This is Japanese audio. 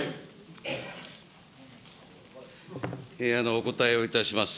お答えをいたします。